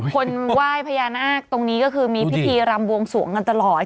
คนไหว้พญานาคตรงนี้ก็คือมีพิธีรำบวงสวงกันตลอด